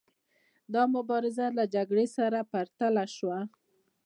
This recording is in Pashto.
دا مبارزه له جګړې سره پرتله شوه.